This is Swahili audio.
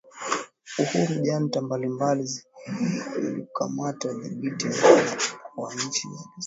uhuru Junta mbalimbali zilikamata udhibiti wa nchi na zilitawala